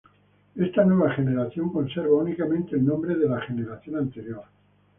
Esta nueva generación conserva únicamente el nombre de la generación anterior.